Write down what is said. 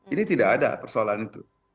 ini tidak ada persoalan itu